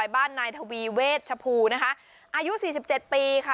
บ้านนายทวีเวชภูนะคะอายุสี่สิบเจ็ดปีค่ะ